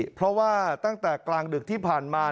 เพราะว่าตั้งแต่กลางดึกที่ผ่านมา